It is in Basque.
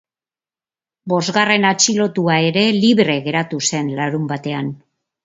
Bosgarren atxilotua ere libre geratu zen larunbatean.